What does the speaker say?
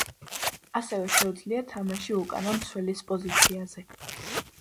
ასევე შუეძლია თამაში უკანა მცველის პოზიციაზე.